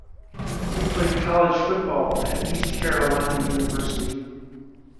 He played college football at East Carolina University.